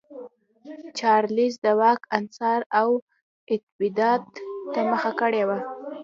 چارلېز د واک انحصار او استبداد ته مخه کړې وه.